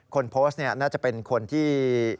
คนโพสต์น่าจะเป็นคนที่